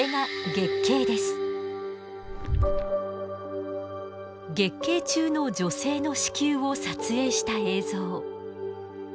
月経中の女性の子宮を撮影した映像。